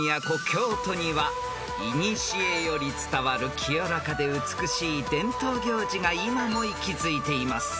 京都にはいにしえより伝わる清らかで美しい伝統行事が今も息づいています］